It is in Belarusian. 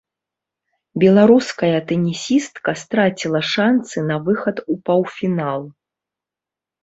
Беларуская тэнісістка страціла шанцы на выхад у паўфінал.